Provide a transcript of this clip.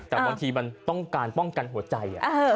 แต่บางทีมันต้องการป้องกันหัวใจ